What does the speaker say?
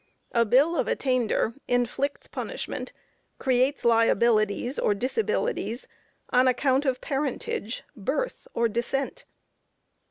A bill of attainder inflicts punishment, creates liabilities or disabilities, on account of parentage, birth, or descent.